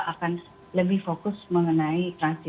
akan lebih fokus mengenai